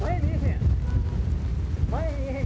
前見えへん。